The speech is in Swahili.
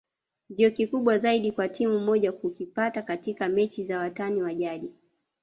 ndio kikubwa zaidi kwa timu moja kukipata katika mechi za watani wa jadi